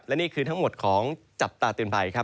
และนี่คือทั้งหมดของจับตาเตือนไป